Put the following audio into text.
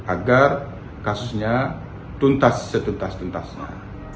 agar kasusnya tuntas setuntas tuntasnya